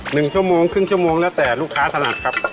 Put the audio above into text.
หนึ่งชั่วโมงครึ่งชั่วโมงแล้วแต่ลูกค้าถนัดครับ